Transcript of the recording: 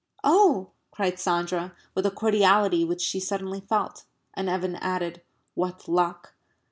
"Oh!" cried Sandra, with a cordiality which she suddenly felt. And Evan added, "What luck!"